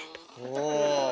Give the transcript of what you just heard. お。